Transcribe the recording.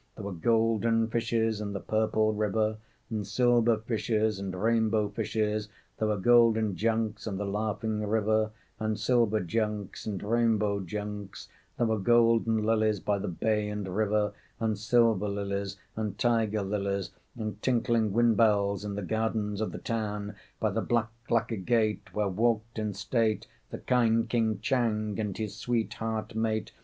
There were golden fishes in the purple river And silver fishes and rainbow fishes. There were golden junks in the laughing river, And silver junks and rainbow junks: There were golden lilies by the bay and river, And silver lilies and tiger lilies, And tinkling wind bells in the gardens of the town By the black lacquer gate Where walked in state The kind king Chang And his sweet heart mate....